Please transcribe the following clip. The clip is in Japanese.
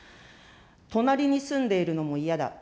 隣に住んでいるのも嫌だ。